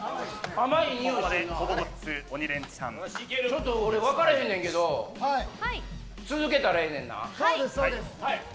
ちょっと俺分からへんねんけど続けたらええねんな。